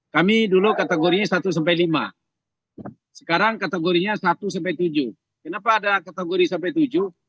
kami dulu kategorinya satu sampai lima sekarang kategorinya satu tujuh kenapa ada kategori sampai tujuh